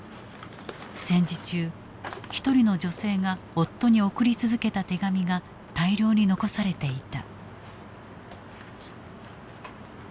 戦時中一人の女性が夫に送り続けた手紙が大量に残されていた。